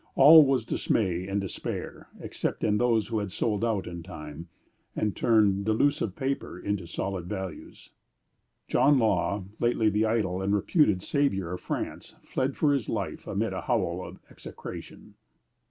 All was dismay and despair, except in those who had sold out in time, and turned delusive paper into solid values. John Law, lately the idol and reputed savior of France, fled for his life, amid a howl of execration.